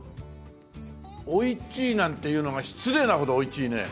おいちいなんて言うのが失礼なほどおいちいね。